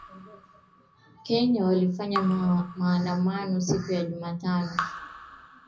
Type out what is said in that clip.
baada ya kumpindua Mfalme Idriss mwaka elfu moja mia tisa sitini na tisa aliibukia